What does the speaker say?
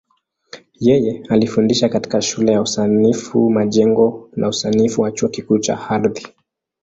Yeye alifundisha katika Shule ya Usanifu Majengo na Usanifu wa Chuo Kikuu cha Ardhi.